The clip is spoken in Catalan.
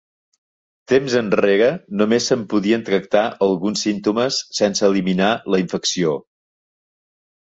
Temps enrere només se'n podien tractar alguns símptomes sense eliminar la infecció.